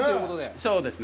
そうですね。